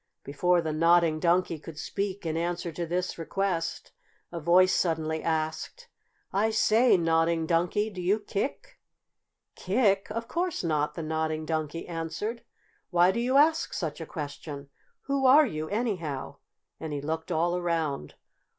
Before the Nodding Donkey could speak in answer to this request, a voice suddenly asked: "I say, Nodding Donkey, do you kick?" "Kick? Of course not," the Nodding Donkey answered. "Why do you ask such a question? Who are you, anyhow?" and he looked all around.